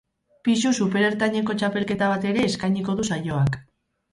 Pisu superertaineko txapelketa bat ere eskainiko du saioak.